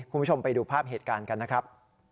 คุณผู้ชมไปดูภาพเหตุการณ์กันนะครับ